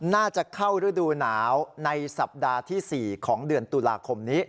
น่าจะเข้าฤดูหนาวในสัปดาห์ที่๔ของเดือนตุลาคมนี้